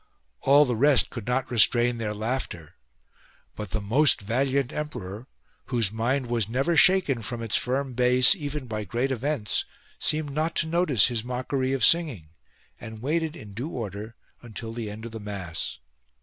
All the rest could not restrain their laughter, but the most valiant emperor, whose mind was never shaken from its firm base even by great events, seemed not to notice his mockery of singing and waited in due order until the end of the mass.